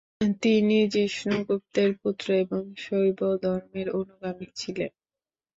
তিনি জিষ্ণুগুপ্তের পুত্র এবং শৈব ধর্মের অনুগামী ছিলেন।